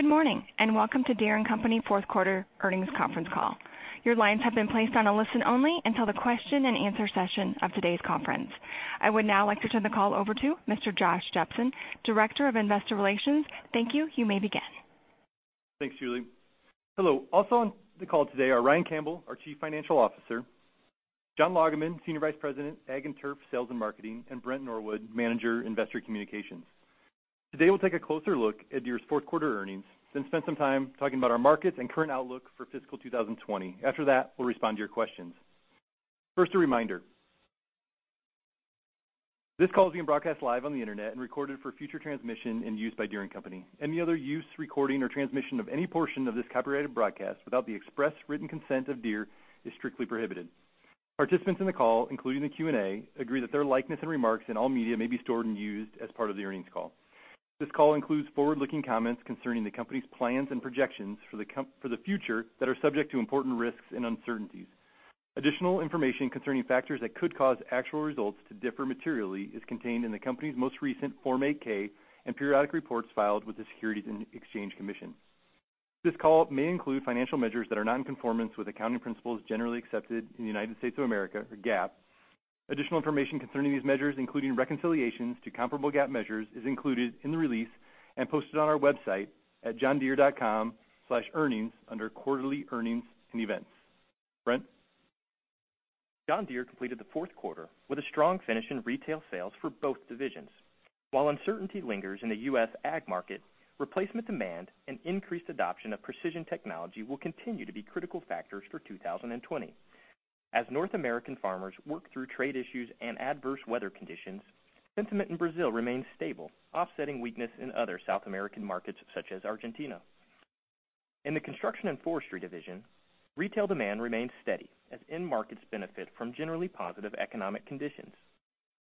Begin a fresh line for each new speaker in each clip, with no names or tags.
Good morning, welcome to Deere & Company fourth quarter earnings conference call. Your lines have been placed on a listen-only until the question and answer session of today's conference. I would now like to turn the call over to Mr. Josh Jepsen, Director of Investor Relations. Thank you. You may begin.
Thanks, Julie. Hello. Also on the call today are Ryan Campbell, our Chief Financial Officer, John Lagemann, Senior Vice President, Ag & Turf Sales and Marketing, and Brent Norwood, Manager, Investor Communications. Today, we'll take a closer look at Deere's fourth quarter earnings, then spend some time talking about our markets and current outlook for fiscal 2020. After that, we'll respond to your questions. First, a reminder. This call is being broadcast live on the internet and recorded for future transmission and use by Deere & Company. Any other use, recording, or transmission of any portion of this copyrighted broadcast without the express written consent of Deere is strictly prohibited. Participants in the call, including the Q&A, agree that their likeness and remarks in all media may be stored and used as part of the earnings call. This call includes forward-looking comments concerning the company's plans and projections for the future that are subject to important risks and uncertainties. Additional information concerning factors that could cause actual results to differ materially is contained in the company's most recent Form 8-K and periodic reports filed with the Securities and Exchange Commission. This call may include financial measures that are not in conformance with accounting principles generally accepted in the United States of America, or GAAP. Additional information concerning these measures, including reconciliations to comparable GAAP measures, is included in the release and posted on our website at johndeere.com/earnings under Quarterly Earnings and Events. Brent? John Deere completed the fourth quarter with a strong finish in retail sales for both divisions. While uncertainty lingers in the U.S. ag market, replacement demand and increased adoption of precision technology will continue to be critical factors for 2020. As North American farmers work through trade issues and adverse weather conditions, sentiment in Brazil remains stable, offsetting weakness in other South American markets such as Argentina. In the Construction and Forestry Division, retail demand remains steady as end markets benefit from generally positive economic conditions.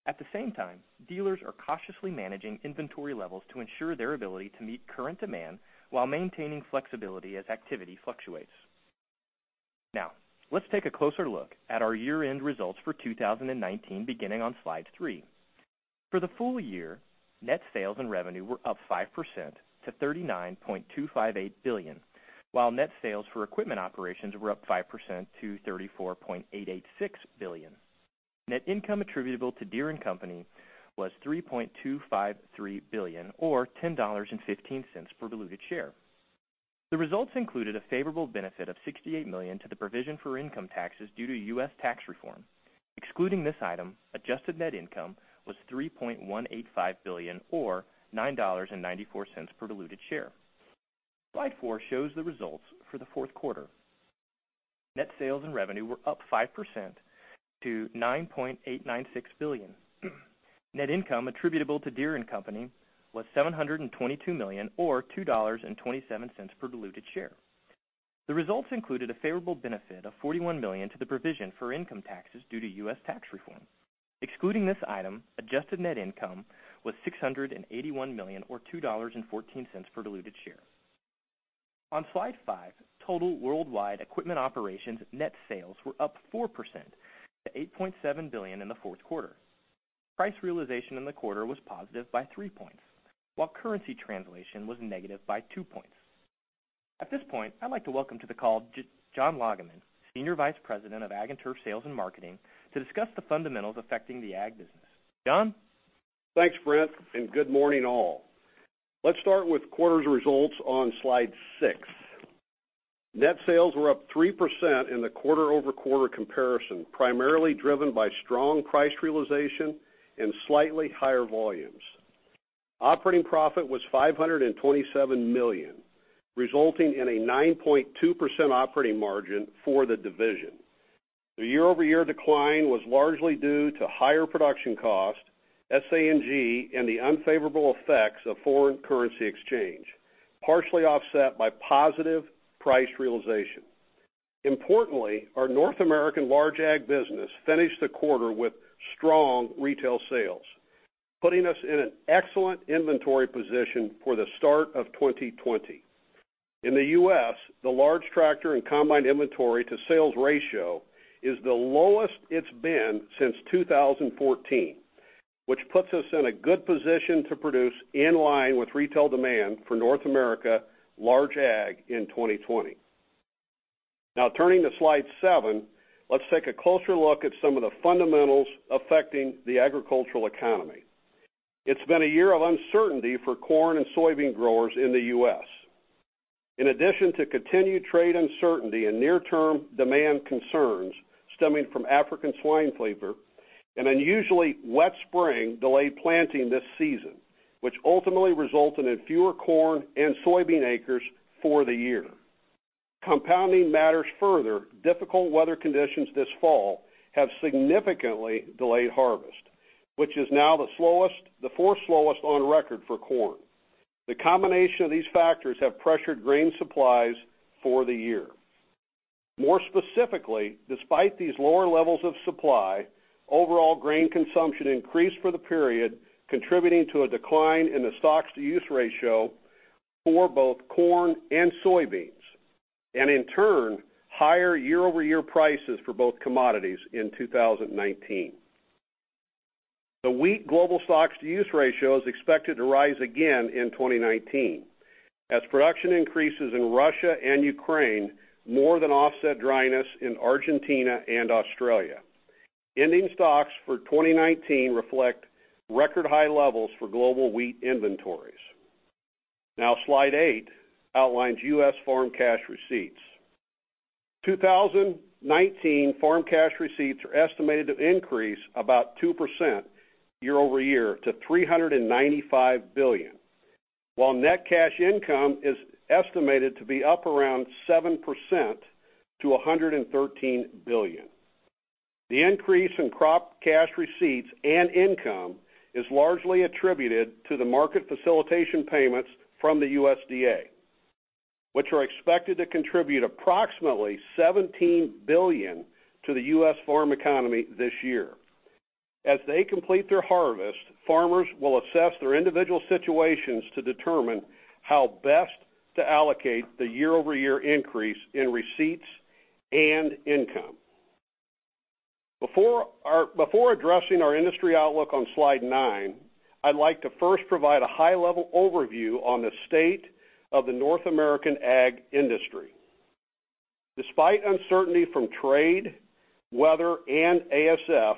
At the same time, dealers are cautiously managing inventory levels to ensure their ability to meet current demand while maintaining flexibility as activity fluctuates. Now, let's take a closer look at our year-end results for 2019, beginning on slide three. For the full year, net sales and revenue were up 5% to $39.258 billion, while net sales for equipment operations were up 5% to $34.886 billion. Net income attributable to Deere & Company was $3.253 billion, or $10.15 per diluted share. The results included a favorable benefit of $68 million to the provision for income taxes due to U.S. tax reform. Excluding this item, adjusted net income was $3.185 billion, or $9.94 per diluted share. Slide 4 shows the results for the fourth quarter. Net sales and revenue were up 5% to $9.896 billion. Net income attributable to Deere & Company was $722 million, or $2.27 per diluted share. The results included a favorable benefit of $41 million to the provision for income taxes due to U.S. tax reform. Excluding this item, adjusted net income was $681 million, or $2.14 per diluted share. On Slide 5, total worldwide equipment operations net sales were up 4% to $8.7 billion in the fourth quarter. Price realization in the quarter was positive by 3 points, while currency translation was negative by 2 points. At this point, I'd like to welcome to the call John Lagemann, Senior Vice President of Ag and Turf Sales and Marketing, to discuss the fundamentals affecting the ag business. John?
Thanks, Brent. Good morning, all. Let's start with quarter's results on slide six. Net sales were up 3% in the quarter-over-quarter comparison, primarily driven by strong price realization and slightly higher volumes. Operating profit was $527 million, resulting in a 9.2% operating margin for the division. The year-over-year decline was largely due to higher production cost, SA&G, and the unfavorable effects of foreign currency exchange, partially offset by positive price realization. Importantly, our North American large ag business finished the quarter with strong retail sales, putting us in an excellent inventory position for the start of 2020. In the U.S., the large tractor and combine inventory to sales ratio is the lowest it's been since 2014, which puts us in a good position to produce in line with retail demand for North America large ag in 2020. Turning to slide seven, let's take a closer look at some of the fundamentals affecting the agricultural economy. It's been a year of uncertainty for corn and soybean growers in the U.S. In addition to continued trade uncertainty and near-term demand concerns stemming from African swine fever, an unusually wet spring delayed planting this season, which ultimately resulted in fewer corn and soybean acres for the year. Compounding matters further, difficult weather conditions this fall have significantly delayed harvest, which is now the fourth slowest on record for corn. The combination of these factors have pressured grain supplies for the year. More specifically, despite these lower levels of supply, overall grain consumption increased for the period, contributing to a decline in the stocks-to-use ratio for both corn and soybeans, and in turn, higher year-over-year prices for both commodities in 2019. The wheat global stocks to use ratio is expected to rise again in 2019. Production increases in Russia and Ukraine, more than offset dryness in Argentina and Australia. Ending stocks for 2019 reflect record high levels for global wheat inventories. Slide eight outlines U.S. farm cash receipts. 2019 farm cash receipts are estimated to increase about 2% year-over-year to $395 billion. Net cash income is estimated to be up around 7% to $113 billion. The increase in crop cash receipts and income is largely attributed to the market facilitation payments from the USDA, which are expected to contribute approximately $17 billion to the U.S. farm economy this year. As they complete their harvest, farmers will assess their individual situations to determine how best to allocate the year-over-year increase in receipts and income. Before addressing our industry outlook on Slide nine, I'd like to first provide a high-level overview on the state of the North American ag industry. Despite uncertainty from trade, weather, and ASF,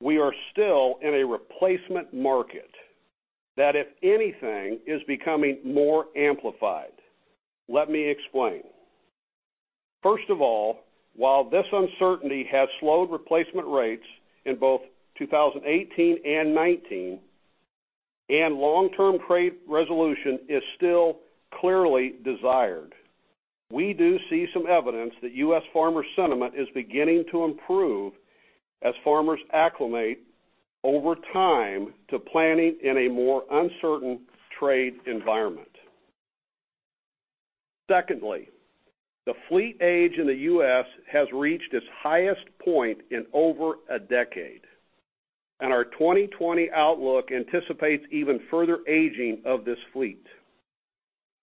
we are still in a replacement market, that if anything, is becoming more amplified. Let me explain. First of all, while this uncertainty has slowed replacement rates in both 2018 and 2019, and long-term trade resolution is still clearly desired, we do see some evidence that U.S. farmer sentiment is beginning to improve as farmers acclimate over time to planning in a more uncertain trade environment. Secondly, the fleet age in the U.S. has reached its highest point in over a decade, and our 2020 outlook anticipates even further aging of this fleet.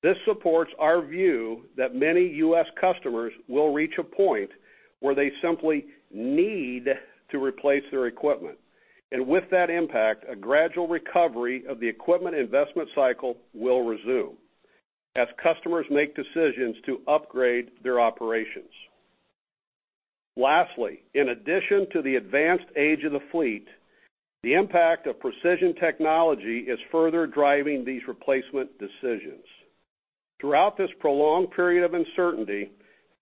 This supports our view that many U.S. customers will reach a point where they simply need to replace their equipment. With that impact, a gradual recovery of the equipment investment cycle will resume as customers make decisions to upgrade their operations. Lastly, in addition to the advanced age of the fleet, the impact of precision technology is further driving these replacement decisions. Throughout this prolonged period of uncertainty,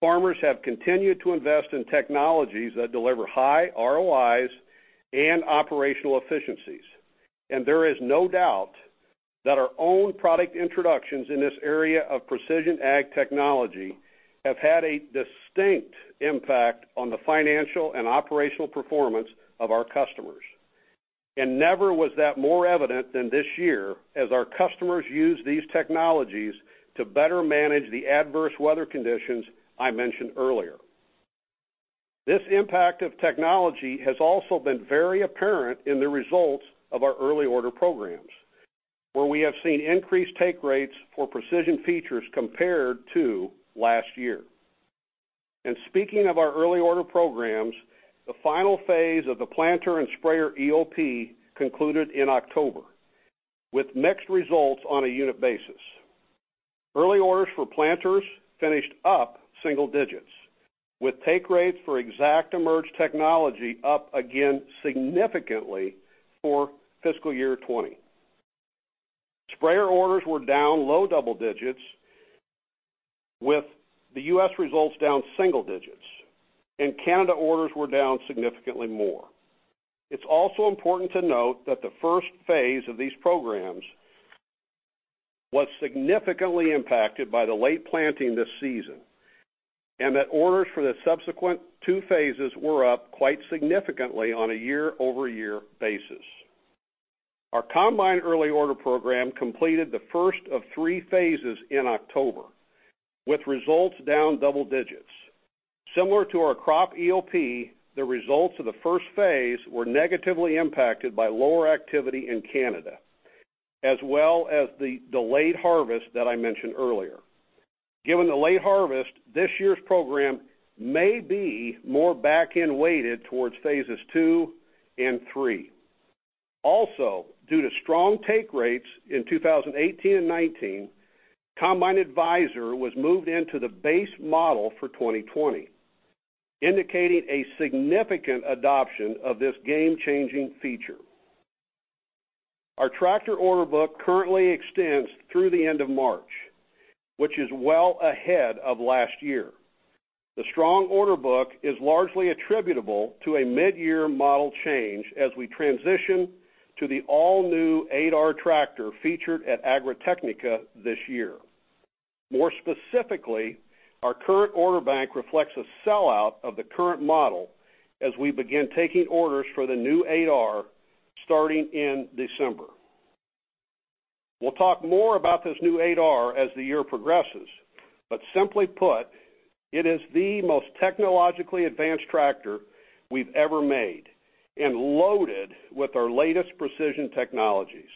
farmers have continued to invest in technologies that deliver high ROIs and operational efficiencies. There is no doubt that our own product introductions in this area of precision ag technology have had a distinct impact on the financial and operational performance of our customers. Never was that more evident than this year as our customers used these technologies to better manage the adverse weather conditions I mentioned earlier. This impact of technology has also been very apparent in the results of our Early Order Programs, where we have seen increased take rates for precision features compared to last year. Speaking of our Early Order Programs, the final phase of the planter and sprayer EOP concluded in October with mixed results on a unit basis. Early orders for planters finished up single digits, with take rates for ExactEmerge technology up again significantly for fiscal year 2020. Sprayer orders were down low double digits, with the U.S. results down single digits, and Canada orders were down significantly more. It's also important to note that the first phase of these programs was significantly impacted by the late planting this season, and that orders for the subsequent 2 phases were up quite significantly on a year-over-year basis. Our combine early order program completed the first of 3 phases in October, with results down double digits. Similar to our crop EOP, the results of the phase 1 were negatively impacted by lower activity in Canada, as well as the delayed harvest that I mentioned earlier. Given the late harvest, this year's program may be more back-end weighted towards phases 2 and 3. Due to strong take rates in 2018 and 2019, Combine Advisor was moved into the base model for 2020, indicating a significant adoption of this game-changing feature. Our tractor order book currently extends through the end of March, which is well ahead of last year. The strong order book is largely attributable to a mid-year model change as we transition to the all-new 8R tractor featured at Agritechnica this year. More specifically, our current order bank reflects a sellout of the current model as we begin taking orders for the new 8R starting in December. We'll talk more about this new 8R as the year progresses. Simply put, it is the most technologically advanced tractor we've ever made and loaded with our latest precision technologies.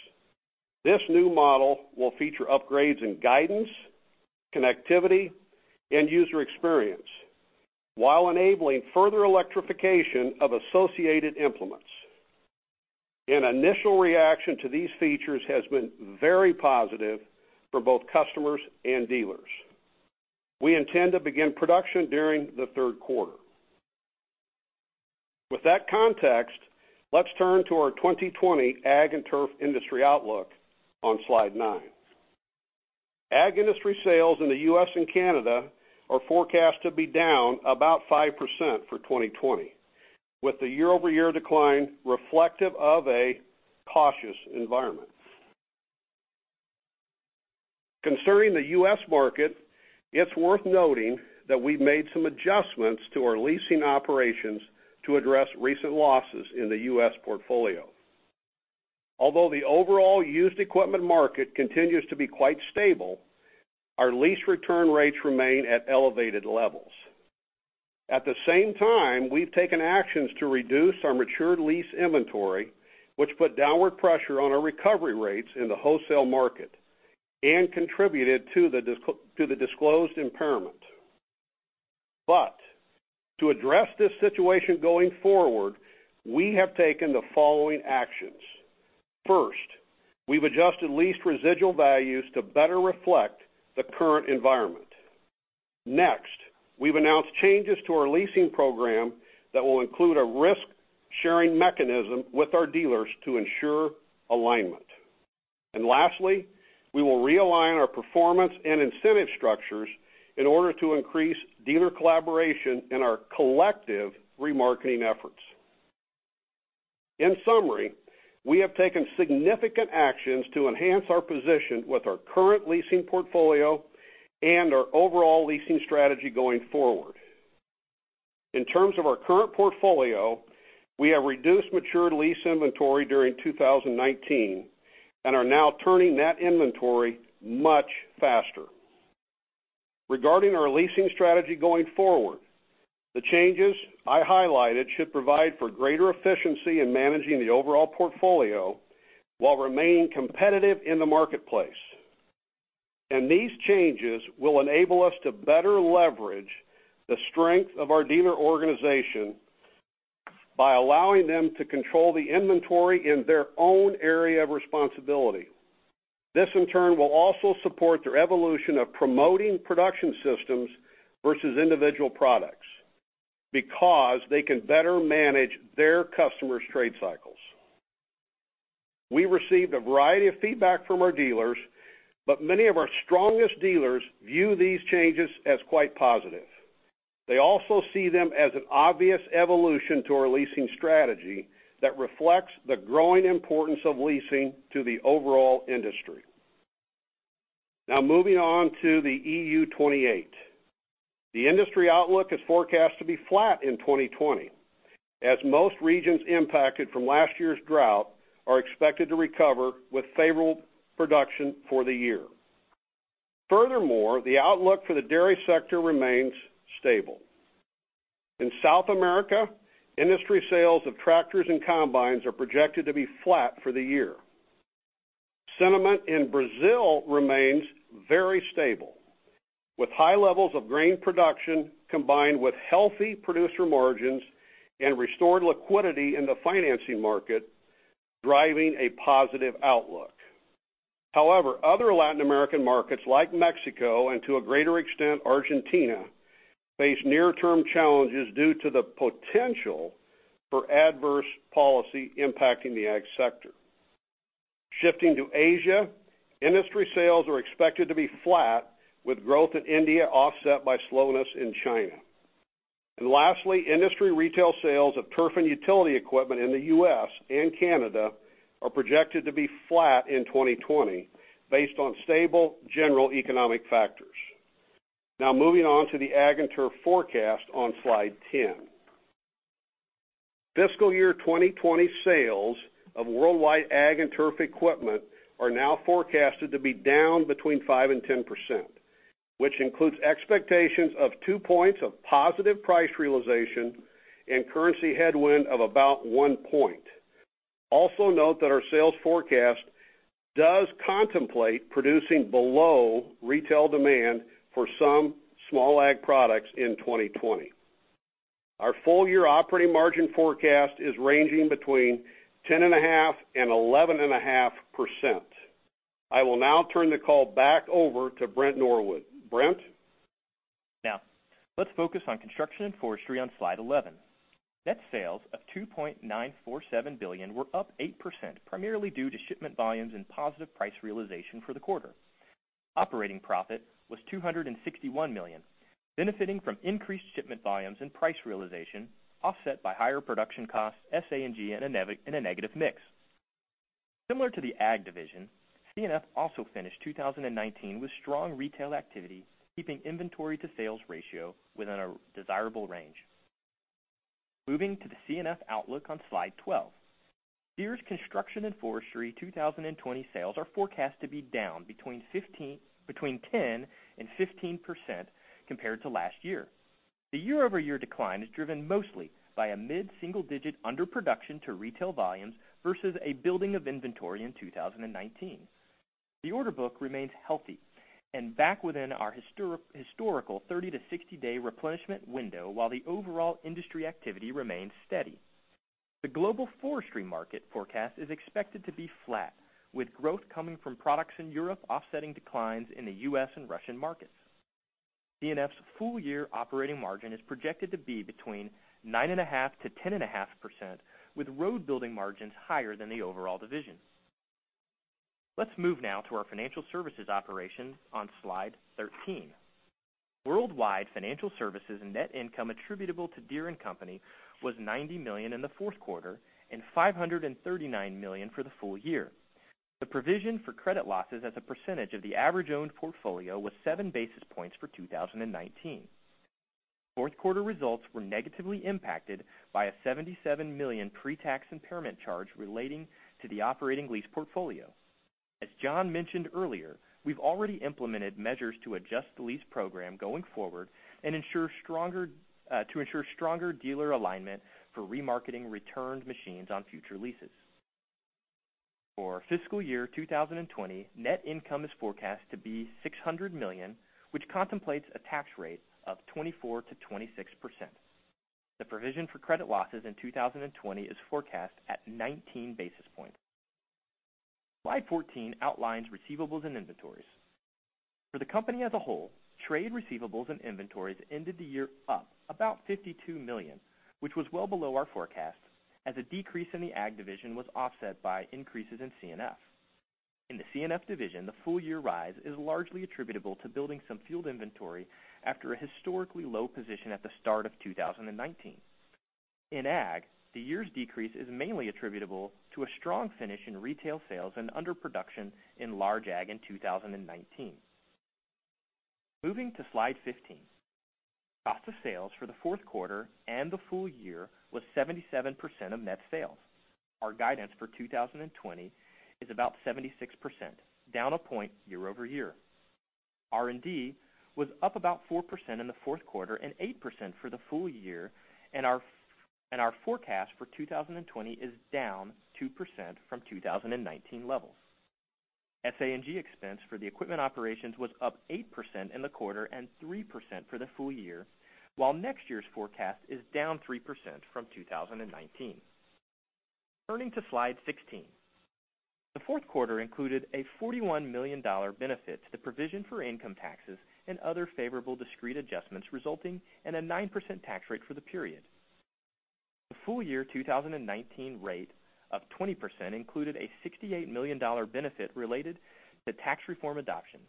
This new model will feature upgrades in guidance, connectivity, and user experience while enabling further electrification of associated implements. Initial reaction to these features has been very positive for both customers and dealers. We intend to begin production during the third quarter. With that context, let's turn to our 2020 Ag & Turf industry outlook on slide nine. Ag industry sales in the U.S. and Canada are forecast to be down about 5% for 2020, with the year-over-year decline reflective of a cautious environment. Concerning the U.S. market, it's worth noting that we've made some adjustments to our leasing operations to address recent losses in the U.S. portfolio. Although the overall used equipment market continues to be quite stable, our lease return rates remain at elevated levels. At the same time, we've taken actions to reduce our matured lease inventory, which put downward pressure on our recovery rates in the wholesale market and contributed to the disclosed impairment. To address this situation going forward, we have taken the following actions. First, we've adjusted lease residual values to better reflect the current environment. Next, we've announced changes to our leasing program that will include a risk-sharing mechanism with our dealers to ensure alignment. Lastly, we will realign our performance and incentive structures in order to increase dealer collaboration in our collective remarketing efforts. In summary, we have taken significant actions to enhance our position with our current leasing portfolio and our overall leasing strategy going forward. In terms of our current portfolio, we have reduced matured lease inventory during 2019 and are now turning that inventory much faster. Regarding our leasing strategy going forward, the changes I highlighted should provide for greater efficiency in managing the overall portfolio while remaining competitive in the marketplace. These changes will enable us to better leverage the strength of our dealer organization by allowing them to control the inventory in their own area of responsibility. This, in turn, will also support their evolution of promoting production systems versus individual products because they can better manage their customers' trade cycles. We received a variety of feedback from our dealers, but many of our strongest dealers view these changes as quite positive. They also see them as an obvious evolution to our leasing strategy that reflects the growing importance of leasing to the overall industry. Moving on to the EU 28. The industry outlook is forecast to be flat in 2020, as most regions impacted from last year's drought are expected to recover with favorable production for the year. The outlook for the dairy sector remains stable. In South America, industry sales of tractors and combines are projected to be flat for the year. Sentiment in Brazil remains very stable, with high levels of grain production combined with healthy producer margins and restored liquidity in the financing market driving a positive outlook. Other Latin American markets like Mexico, and to a greater extent Argentina, face near-term challenges due to the potential for adverse policy impacting the Ag sector. Lastly, industry retail sales of Turf and utility equipment in the U.S. and Canada are projected to be flat in 2020 based on stable general economic factors. Moving on to the Ag and Turf forecast on slide 10. Fiscal year 2020 sales of worldwide Ag and Turf equipment are now forecasted to be down between 5% and 10%, which includes expectations of two points of positive price realization and currency headwind of about one point. Note that our sales forecast does contemplate producing below retail demand for some small Ag products in 2020. Our full-year operating margin forecast is ranging between 10.5% and 11.5%. I will now turn the call back over to Brent Norwood. Brent?
Let's focus on Construction & Forestry on slide 11. Net sales of $2.947 billion were up 8%, primarily due to shipment volumes and positive price realization for the quarter. Operating profit was $261 million, benefiting from increased shipment volumes and price realization, offset by higher production costs, SA&G, and a negative mix. Similar to the Ag division, C&F also finished 2019 with strong retail activity, keeping inventory-to-sales ratio within a desirable range. Moving to the C&F outlook on slide 12. Deere's Construction and Forestry 2020 sales are forecast to be down between 10% and 15% compared to last year. The year-over-year decline is driven mostly by a mid-single digit underproduction to retail volumes versus a building of inventory in 2019. The order book remains healthy and back within our historical 30- to 60-day replenishment window, while the overall industry activity remains steady. The global forestry market forecast is expected to be flat, with growth coming from products in Europe offsetting declines in the U.S. and Russian markets. C&F's full year operating margin is projected to be between 9.5%-10.5%, with road building margins higher than the overall division. Let's move now to our Financial Services operations on slide 13. Worldwide Financial Services net income attributable to Deere & Company was $90 million in the fourth quarter and $539 million for the full year. The provision for credit losses as a percentage of the average owned portfolio was seven basis points for 2019. Fourth quarter results were negatively impacted by a $77 million pre-tax impairment charge relating to the operating lease portfolio. As John mentioned earlier, we've already implemented measures to adjust the lease program going forward to ensure stronger dealer alignment for remarketing returned machines on future leases. For fiscal year 2020, net income is forecast to be $600 million, which contemplates a tax rate of 24%-26%. The provision for credit losses in 2020 is forecast at 19 basis points. Slide 14 outlines receivables and inventories. For the company as a whole, trade receivables and inventories ended the year up about $52 million, which was well below our forecast as a decrease in the Ag division was offset by increases in C&F. In the C&F division, the full year rise is largely attributable to building some field inventory after a historically low position at the start of 2019. In Ag, the year's decrease is mainly attributable to a strong finish in retail sales and underproduction in large Ag in 2019. Moving to Slide 15. Cost of sales for the fourth quarter and the full year was 77% of net sales. Our guidance for 2020 is about 76%, down a point year-over-year. R&D was up about 4% in the fourth quarter and 8% for the full year. Our forecast for 2020 is down 2% from 2019 levels. SA&G expense for the equipment operations was up 8% in the quarter and 3% for the full year, while next year's forecast is down 3% from 2019. Turning to slide 16. The fourth quarter included a $41 million benefit to the provision for income taxes and other favorable discrete adjustments, resulting in a 9% tax rate for the period. The full year 2019 rate of 20% included a $68 million benefit related to tax reform adoption.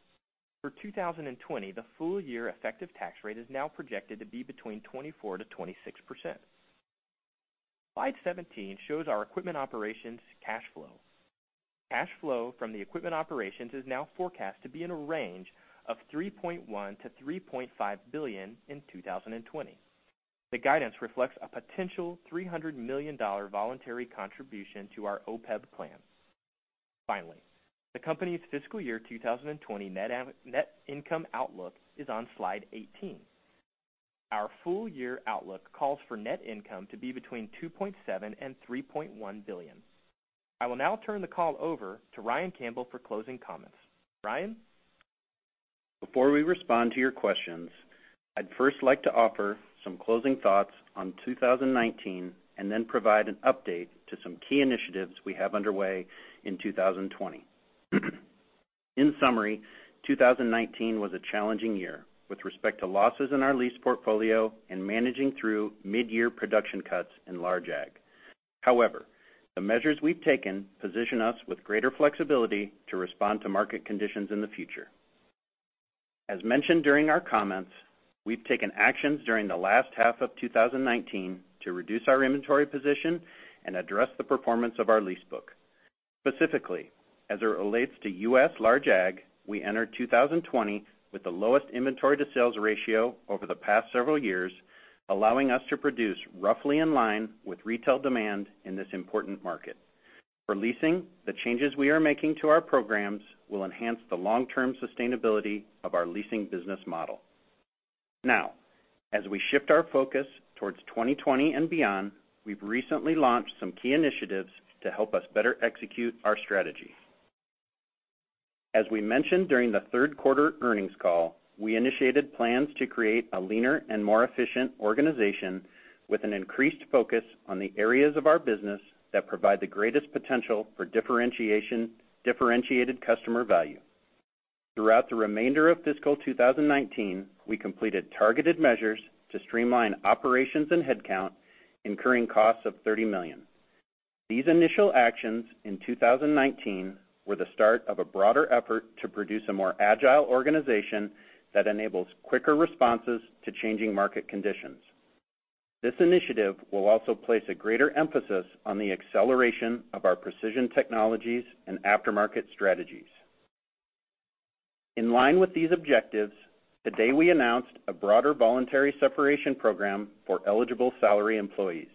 For 2020, the full year effective tax rate is now projected to be between 24%-26%. Slide 17 shows our equipment operations cash flow. Cash flow from the equipment operations is now forecast to be in a range of $3.1 billion-$3.5 billion in 2020. The guidance reflects a potential $300 million voluntary contribution to our OPEB plan. Finally, the company's fiscal year 2020 net income outlook is on slide 18. Our full year outlook calls for net income to be between $2.7 billion and $3.1 billion. I will now turn the call over to Ryan Campbell for closing comments. Ryan?
Before we respond to your questions, I'd first like to offer some closing thoughts on 2019 and then provide an update to some key initiatives we have underway in 2020. In summary, 2019 was a challenging year with respect to losses in our lease portfolio and managing through mid-year production cuts in large ag. However, the measures we've taken position us with greater flexibility to respond to market conditions in the future. As mentioned during our comments, we've taken actions during the last half of 2019 to reduce our inventory position and address the performance of our lease book. Specifically, as it relates to U.S. large ag, we enter 2020 with the lowest inventory-to-sales ratio over the past several years, allowing us to produce roughly in line with retail demand in this important market. For leasing, the changes we are making to our programs will enhance the long-term sustainability of our leasing business model. As we shift our focus towards 2020 and beyond, we've recently launched some key initiatives to help us better execute our strategy. As we mentioned during the third quarter earnings call, we initiated plans to create a leaner and more efficient organization with an increased focus on the areas of our business that provide the greatest potential for differentiated customer value. Throughout the remainder of fiscal 2019, we completed targeted measures to streamline operations and headcount, incurring costs of $30 million. These initial actions in 2019 were the start of a broader effort to produce a more agile organization that enables quicker responses to changing market conditions. This initiative will also place a greater emphasis on the acceleration of our precision technologies and aftermarket strategies. In line with these objectives, today, we announced a broader voluntary separation program for eligible salary employees.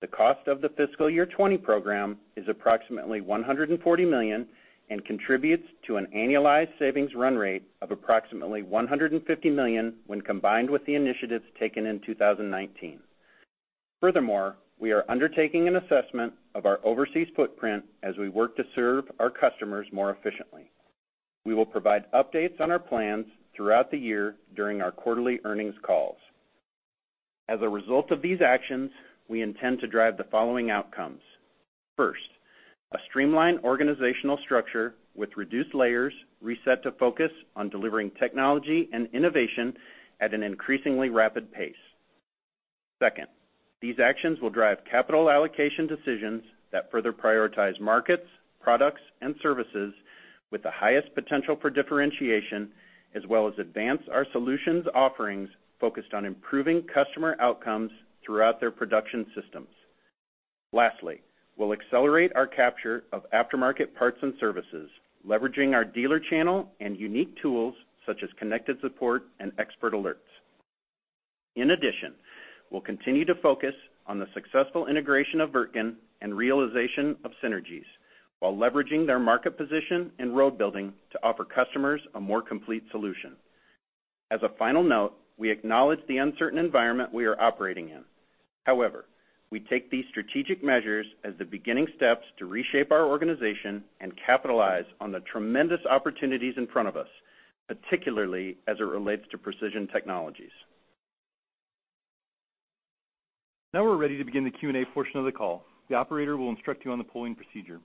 The cost of the fiscal year 2020 program is approximately $140 million and contributes to an annualized savings run rate of approximately $150 million when combined with the initiatives taken in 2019. Furthermore, we are undertaking an assessment of our overseas footprint as we work to serve our customers more efficiently. We will provide updates on our plans throughout the year during our quarterly earnings calls. As a result of these actions, we intend to drive the following outcomes. First, a streamlined organizational structure with reduced layers reset to focus on delivering technology and innovation at an increasingly rapid pace. Second, these actions will drive capital allocation decisions that further prioritize markets, products, and services with the highest potential for differentiation, as well as advance our solutions offerings focused on improving customer outcomes throughout their production systems. Lastly, we'll accelerate our capture of aftermarket parts and services, leveraging our dealer channel and unique tools such as Connected Support and Expert Alerts. In addition, we'll continue to focus on the successful integration of Wirtgen and realization of synergies while leveraging their market position and road building to offer customers a more complete solution. As a final note, we acknowledge the uncertain environment we are operating in. However, we take these strategic measures as the beginning steps to reshape our organization and capitalize on the tremendous opportunities in front of us, particularly as it relates to precision technologies.
Now we're ready to begin the Q&A portion of the call. The operator will instruct you on the polling procedure.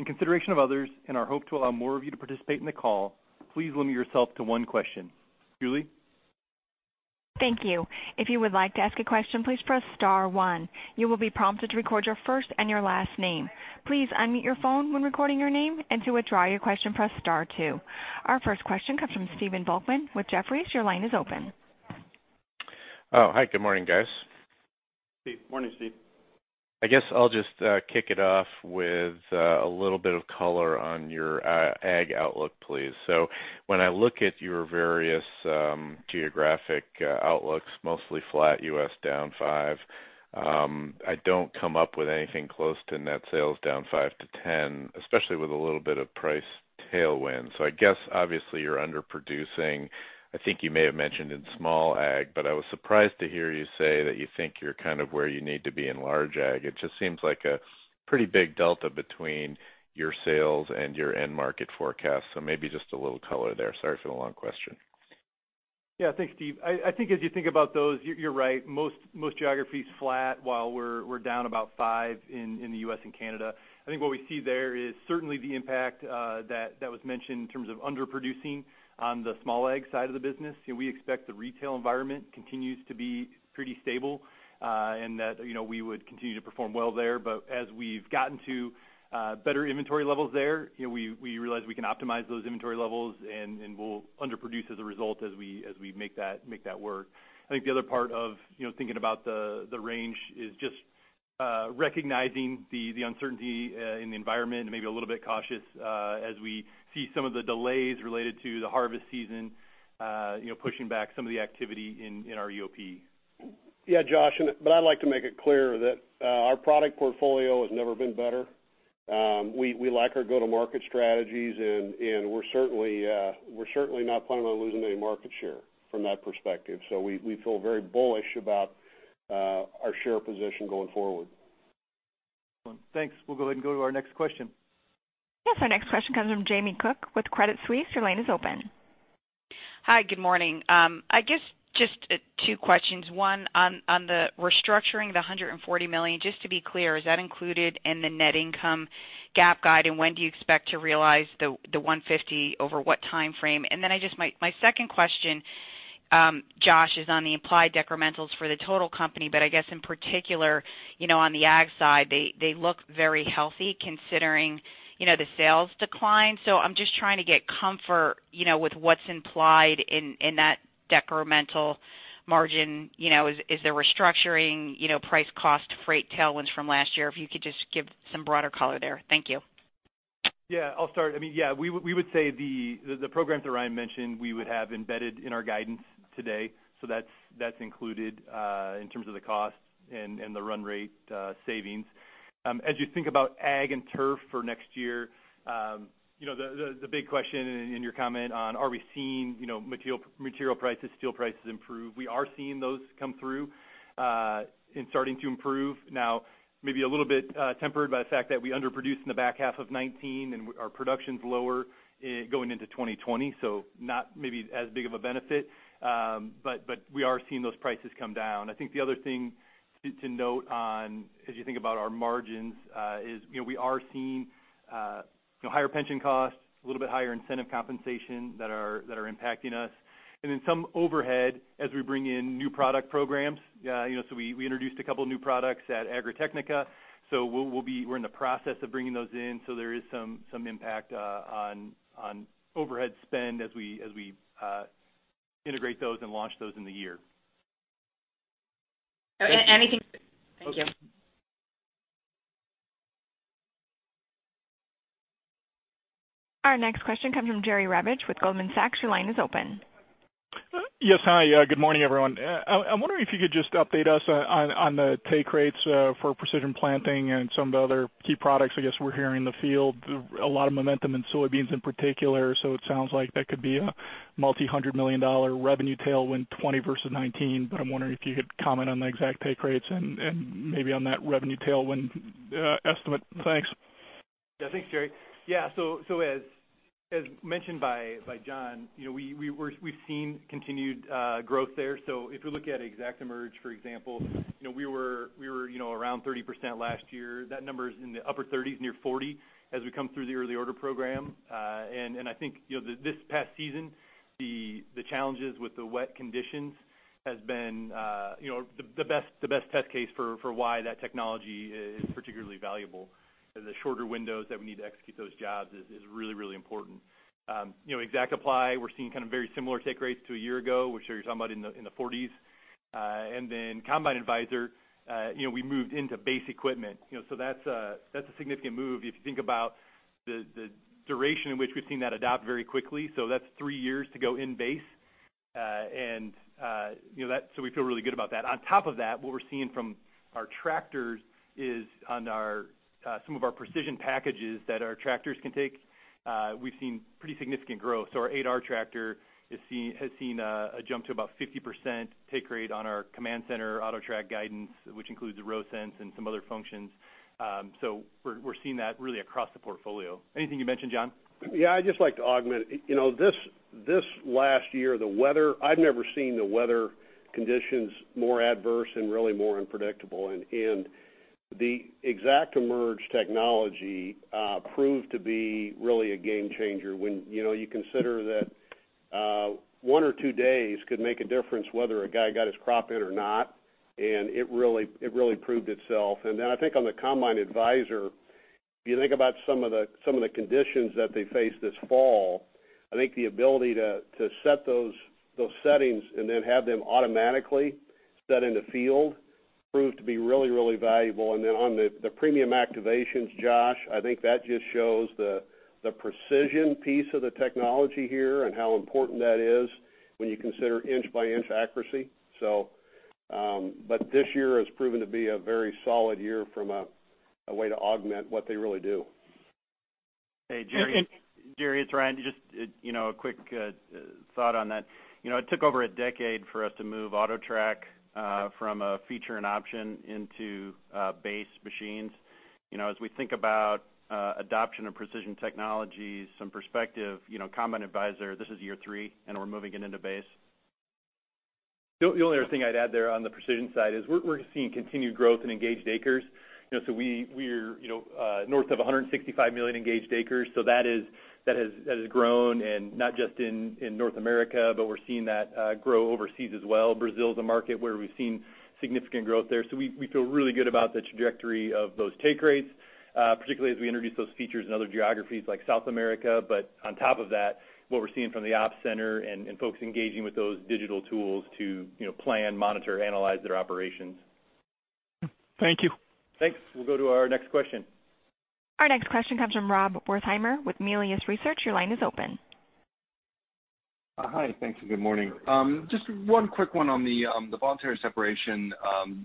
In consideration of others and our hope to allow more of you to participate in the call, please limit yourself to one question. Julie?
Thank you. If you would like to ask a question, please press star one. You will be prompted to record your first and your last name. Please unmute your phone when recording your name and to withdraw your question, press star two. Our first question comes from Stephen Volkmann with Jefferies. Your line is open.
Oh, hi. Good morning, guys.
Steve. Morning, Steve.
I guess I'll just kick it off with a little bit of color on your Ag outlook, please. When I look at your various geographic outlooks, mostly flat, U.S. down 5%, I don't come up with anything close to net sales down 5%-10%, especially with a little bit of price tailwind. I guess obviously you're underproducing. I think you may have mentioned in small Ag, but I was surprised to hear you say that you think you're kind of where you need to be in large Ag. It just seems like a pretty big delta between your sales and your end market forecast. Maybe just a little color there. Sorry for the long question.
Yeah. Thanks, Steve. I think as you think about those, you're right. Most geographies flat while we're down about five in the U.S. and Canada. I think what we see there is certainly the impact that was mentioned in terms of underproducing on the small ag side of the business. We expect the retail environment continues to be pretty stable, and that we would continue to perform well there. As we've gotten to better inventory levels there, we realize we can optimize those inventory levels, and we'll underproduce as a result as we make that work. I think the other part of thinking about the range is just recognizing the uncertainty in the environment and maybe a little bit cautious as we see some of the delays related to the harvest season pushing back some of the activity in our EOP.
Yeah, Josh. I'd like to make it clear that our product portfolio has never been better. We like our go-to-market strategies, and we're certainly not planning on losing any market share from that perspective. We feel very bullish about our share position going forward.
Thanks. We'll go ahead and go to our next question.
Yes. Our next question comes from Jamie Cook with Credit Suisse. Your line is open.
Hi. Good morning. I guess just two questions. One, on the restructuring, the $140 million, just to be clear, is that included in the net income GAAP guide? When do you expect to realize the $150 over what timeframe? My second question, Josh, is on the implied decrementals for the total company, but I guess in particular, on the ag side. They look very healthy considering the sales decline. I'm just trying to get comfort with what's implied in that decremental margin. Is there restructuring price cost freight tailwinds from last year? If you could just give some broader color there. Thank you.
Yeah. I'll start. We would say the programs that Ryan mentioned we would have embedded in our guidance today. That's included in terms of the cost and the run rate savings. As you think about ag and turf for next year, the big question in your comment on are we seeing material prices, steel prices improve? We are seeing those come through and starting to improve now. Maybe a little bit tempered by the fact that we underproduced in the back half of 2019 and our production's lower going into 2020, not maybe as big of a benefit. We are seeing those prices come down. I think the other thing to note on as you think about our margins is we are seeing higher pension costs, a little bit higher incentive compensation that are impacting us. Some overhead as we bring in new product programs. We introduced a couple new products at Agritechnica. We're in the process of bringing those in, so there is some impact on overhead spend as we integrate those and launch those in the year.
Anything? Thank you.
Our next question comes from Jerry Revich with Goldman Sachs. Your line is open.
Yes. Hi. Good morning, everyone. I'm wondering if you could just update us on the take rates for precision planting and some of the other key products. I guess we're hearing in the field, a lot of momentum in soybeans in particular, so it sounds like that could be a multi-$100 million revenue tailwind 2020 versus 2019. I'm wondering if you could comment on the exact take rates and maybe on that revenue tailwind estimate. Thanks.
Yeah. Thanks, Jerry. Yeah. As mentioned by John, we've seen continued growth there. If you look at ExactEmerge, for example, we were around 30% last year. That number is in the upper 30s, near 40 as we come through the Early Order Program. I think, this past season, the challenges with the wet conditions has been the best test case for why that technology is particularly valuable. The shorter windows that we need to execute those jobs is really important. ExactApply, we're seeing very similar take rates to a year ago, which you're talking about in the 40s. Combine Advisor, we moved into base equipment. That's a significant move if you think about the duration in which we've seen that adopt very quickly. That's three years to go in base. We feel really good about that. On top of that, what we're seeing from our tractors is on some of our precision packages that our tractors can take, we've seen pretty significant growth. Our 8R tractor has seen a jump to about 50% take rate on our CommandCenter, AutoTrac guidance, which includes the RowSense and some other functions. We're seeing that really across the portfolio. Anything you'd mention, John?
Yeah, I'd just like to augment. This last year, the weather, I've never seen the weather conditions more adverse and really more unpredictable. The ExactEmerge technology proved to be really a game changer when you consider that one or two days could make a difference whether a guy got his crop in or not, and it really proved itself. I think on the Combine Advisor, if you think about some of the conditions that they faced this fall, I think the ability to set those settings and then have them automatically set in the field proved to be really, really valuable. On the premium activations, Josh, I think that just shows the precision piece of the technology here and how important that is when you consider inch-by-inch accuracy. This year has proven to be a very solid year from a way to augment what they really do.
Hey, Jerry, it's Ryan. Just a quick thought on that. It took over a decade for us to move AutoTrac from a feature and option into base machines. As we think about adoption of precision technologies, some perspective, Combine Advisor, this is year three, and we're moving it into base.
The only other thing I'd add there on the precision side is we're seeing continued growth in engaged acres. We're north of 165 million engaged acres. That has grown, and not just in North America, but we're seeing that grow overseas as well. Brazil is a market where we've seen significant growth there. We feel really good about the trajectory of those take rates, particularly as we introduce those features in other geographies like South America. On top of that, what we're seeing from the Operations Center and folks engaging with those digital tools to plan, monitor, analyze their operations.
Thank you.
Thanks. We'll go to our next question.
Our next question comes from Rob Wertheimer with Melius Research. Your line is open.
Hi. Thanks, good morning. Just one quick one on the voluntary separation.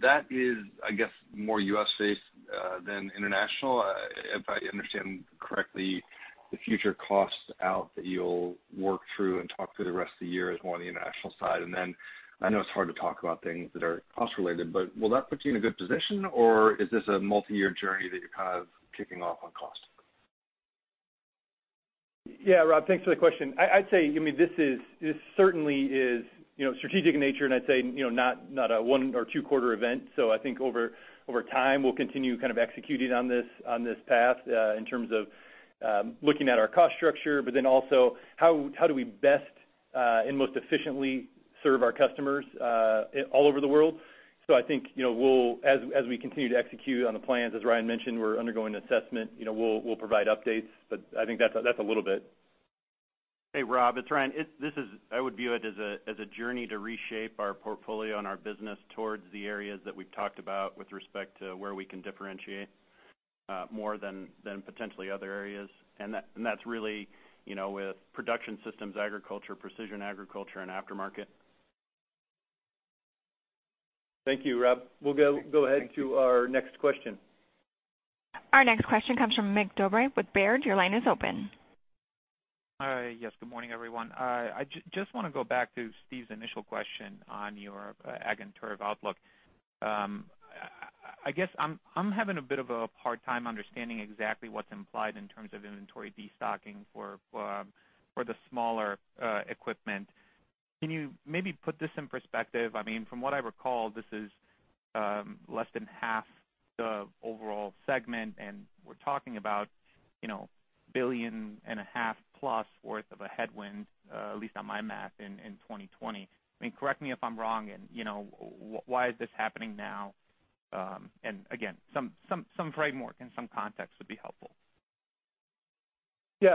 That is, I guess, more U.S.-based than international, if I understand correctly, the future costs out that you'll work through and talk through the rest of the year is more on the international side. I know it's hard to talk about things that are cost-related, but will that put you in a good position, or is this a multi-year journey that you're kind of kicking off on cost?
Yeah, Rob, thanks for the question. I'd say, this certainly is strategic in nature. I'd say not a one or two-quarter event. I think over time, we'll continue kind of executing on this path, in terms of looking at our cost structure, also how do we best and most efficiently serve our customers all over the world. I think, as we continue to execute on the plans, as Ryan mentioned, we're undergoing assessment. We'll provide updates, I think that's a little bit.
Hey, Rob, it's Ryan. I would view it as a journey to reshape our portfolio and our business towards the areas that we've talked about with respect to where we can differentiate more than potentially other areas. That's really with production systems, agriculture, precision agriculture, and aftermarket.
Thank you, Rob.
Thank you.
go ahead to our next question.
Our next question comes from Mig Dobre with Baird. Your line is open.
Hi. Yes, good morning, everyone. I just want to go back to Stephen's initial question on your ag inventory outlook. I guess I'm having a bit of a hard time understanding exactly what's implied in terms of inventory destocking for the smaller equipment. Can you maybe put this in perspective? From what I recall, this is less than half the overall segment, and we're talking about a billion and a half plus worth of a headwind, at least on my math, in 2020. Correct me if I'm wrong. Why is this happening now? Again, some framework and some context would be helpful.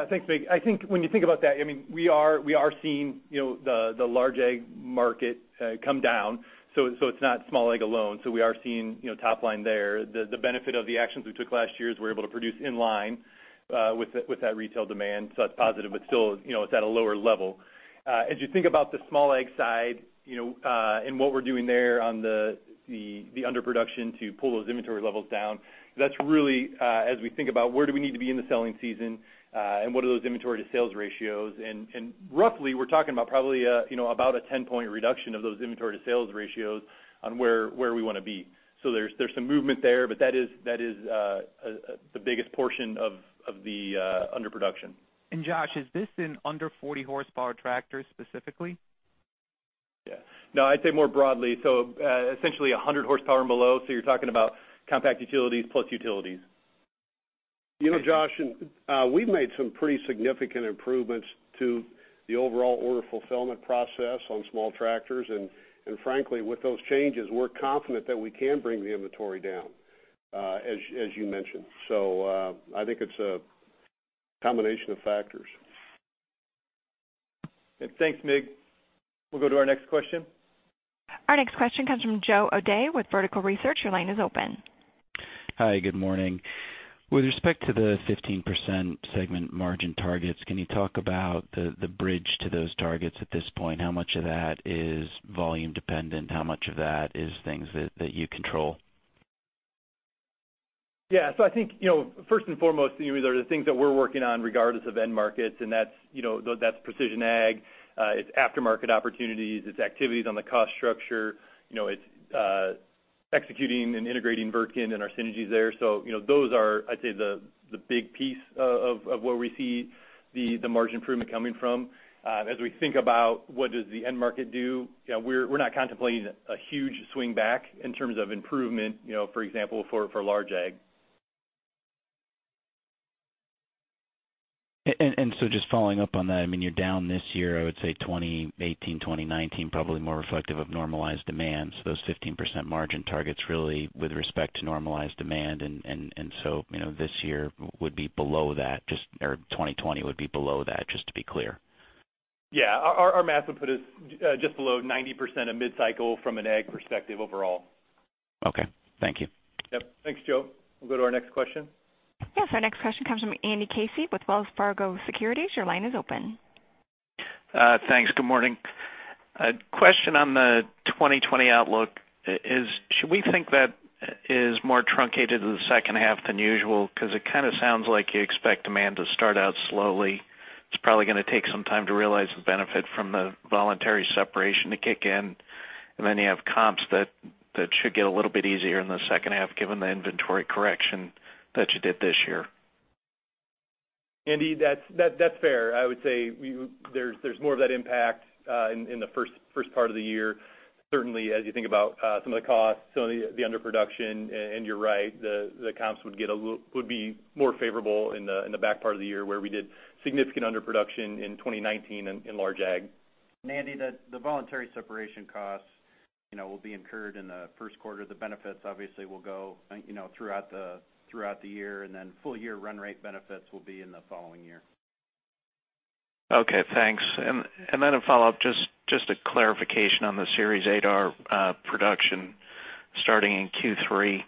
Thanks, Mig. I think when you think about that, we are seeing the large ag market come down. It's not small ag alone. We are seeing top line there. The benefit of the actions we took last year is we're able to produce in line with that retail demand. That's positive. Still, it's at a lower level. As you think about the small ag side and what we're doing there on the underproduction to pull those inventory levels down, that's really as we think about where do we need to be in the selling season and what are those inventory to sales ratios. Roughly, we're talking about probably about a 10-point reduction of those inventory to sales ratios on where we want to be. There's some movement there, but that is the biggest portion of the underproduction.
Josh, is this in under 40 horsepower tractors specifically?
Yeah. No, I'd say more broadly. Essentially 100 horsepower and below. You're talking about compact utilities plus utilities.
Josh, we've made some pretty significant improvements to the overall order fulfillment process on small tractors. Frankly, with those changes, we're confident that we can bring the inventory down as you mentioned. I think it's a combination of factors.
Thanks, Mig. We'll go to our next question.
Our next question comes from Joe O'Dea with Vertical Research. Your line is open.
Hi. Good morning. With respect to the 15% segment margin targets, can you talk about the bridge to those targets at this point? How much of that is volume dependent? How much of that is things that you control?
Yeah. I think, first and foremost, there are the things that we're working on regardless of end markets, and that's precision ag, it's aftermarket opportunities, it's activities on the cost structure, it's executing and integrating Wirtgen and our synergies there. Those are, I'd say, the big piece of where we see the margin improvement coming from. As we think about what does the end market do, we're not contemplating a huge swing back in terms of improvement, for example, for large ag.
Just following up on that, you're down this year, I would say 2018, 2019, probably more reflective of normalized demand. Those 15% margin targets really with respect to normalized demand. This year would be below that, or 2020 would be below that, just to be clear.
Yeah. Our math would put us just below 90% of mid cycle from an ag perspective overall.
Okay. Thank you.
Yep. Thanks, Joe. We'll go to our next question.
Yes, our next question comes from Andy Casey with Wells Fargo Securities. Your line is open.
Thanks. Good morning. Question on the 2020 outlook is, should we think that is more truncated in the second half than usual? It kind of sounds like you expect demand to start out slowly. It's probably going to take some time to realize the benefit from the voluntary separation to kick in. You have comps that should get a little bit easier in the second half given the inventory correction that you did this year.
Andy, that's fair. I would say there's more of that impact in the first part of the year. Certainly, as you think about some of the costs, some of the underproduction, and you're right, the comps would be more favorable in the back part of the year where we did significant underproduction in 2019 in large ag.
Andy, the voluntary separation costs will be incurred in the first quarter. The benefits obviously will go throughout the year and then full year run rate benefits will be in the following year.
Okay, thanks. A follow-up, just a clarification on the 8R Series production starting in Q3.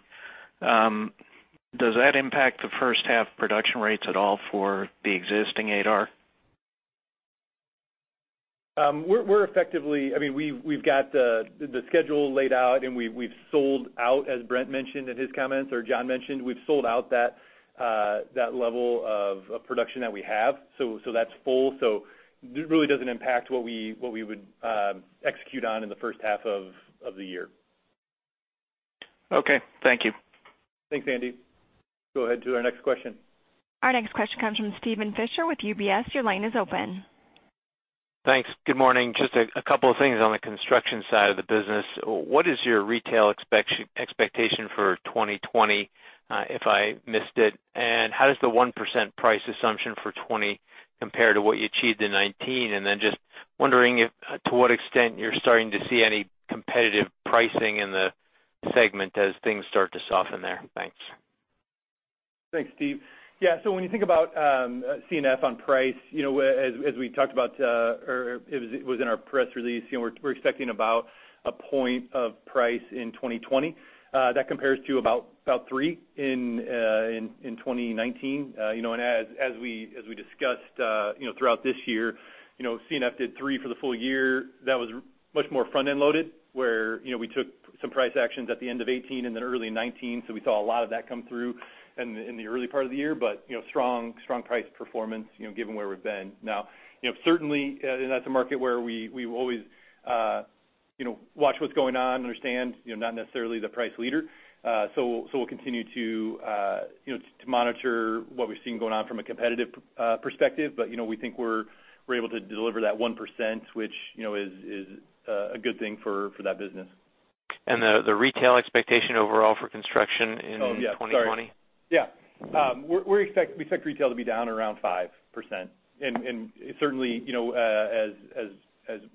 Does that impact the first half production rates at all for the existing 8R?
We've got the schedule laid out and we've sold out, as Brent mentioned in his comments, or John mentioned. We've sold out that level of production that we have. That's full. It really doesn't impact what we would execute on in the first half of the year.
Okay. Thank you.
Thanks, Andy. Go ahead to our next question.
Our next question comes from Steven Fisher with UBS. Your line is open.
Thanks. Good morning. Just a couple of things on the construction side of the business. What is your retail expectation for 2020 if I missed it? How does the 1% price assumption for 2020 compare to what you achieved in 2019? Just wondering to what extent you're starting to see any competitive pricing in the segment as things start to soften there. Thanks.
Thanks, Steve. When you think about C&F on price, as we talked about or it was in our press release, we're expecting about one point of price in 2020. That compares to about three in 2019. As we discussed throughout this year, C&F did three for the full year. That was much more front-end loaded where we took some price actions at the end of 2018 and then early 2019. We saw a lot of that come through in the early part of the year. Strong price performance given where we've been. Now certainly, and that's a market where we will always watch what's going on, understand not necessarily the price leader. We'll continue to monitor what we're seeing going on from a competitive perspective. We think we're able to deliver that 1%, which is a good thing for that business.
The retail expectation overall for construction in 2020?
Yeah. We expect retail to be down around 5%. Certainly, as